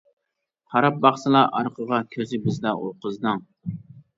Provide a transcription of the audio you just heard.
قاراپ باقسىلا ئارقىغا، كۆزى بىزدە ئۇ قىزنىڭ.